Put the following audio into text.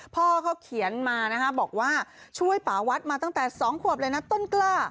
พ่อเขาเขียนมานะคะบอกว่าช่วยป่าวัดมาตั้งแต่๒ขวบเลยนะต้นกล้า